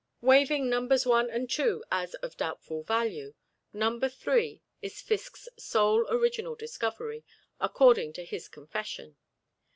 Waiving Numbers One and Two as of doubtful value, Number Three is Fiske's sole original discovery, according to his confession.